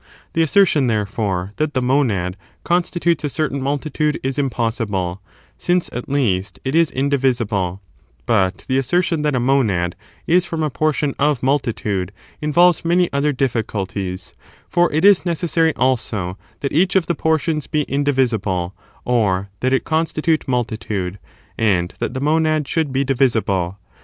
The assertion, therefore, that the monad consti tutes a certain multitude is impossible, since, at least, it is indivisible ; but the assertion that a monad is from a portion of multitude involves many other difficulties : for it is neces sary, also, that each of the portions be indivisible, or that it constitute multitude, and that the monad should be divisible, 384 THE METAPHYSICS OF ARISTOTLE.